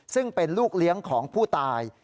ซึ่งเป็นลูกเลี้ยงของผู้ตาย